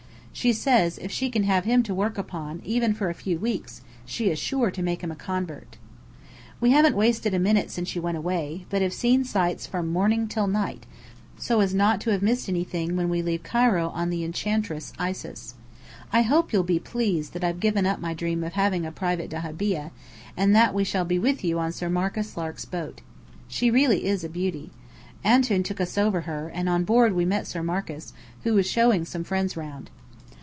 She says, if she can have him to work upon even for a few weeks, she is sure to make him a convert. We haven't wasted a minute since you went away, but have seen sights from morning till night, so as not to have missed anything when we leave Cairo on the Enchantress Isis. I hope you'll be pleased that I've given up my dream of having a private dahabeah, and that we shall be with you on Sir Marcus Lark's boat. She is really a beauty. Antoun took us over her, and on board we met Sir Marcus, who was showing some friends round.